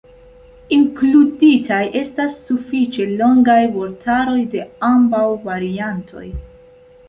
Inkluditaj estas sufiĉe longaj vortaroj de ambaŭ variantoj.